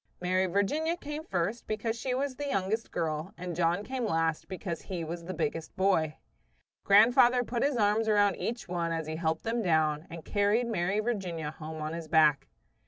Mary Virginia came first because she was the youngest girl, and John came last because he was the biggest boy. Grandfather put his arms around each one as he helped them down, and carried Mary Virginia home on his back.